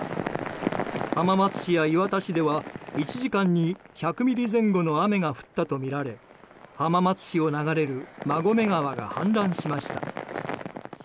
浜松市や磐田市では１時間に１００ミリ前後の雨が降ったとみられ浜松市を流れる馬込川が氾濫しました。